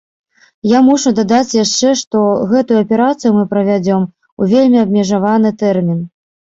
Я мушу дадаць яшчэ, што гэтую аперацыю мы правядзём у вельмі абмежаваны тэрмін.